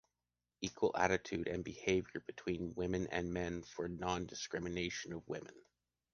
Equal attitude and behaviors between women and men for the non-discrimination of women.